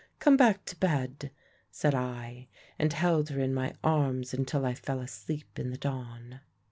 Come back to bed,' said I, and held her in my arms until I fell asleep in the dawn.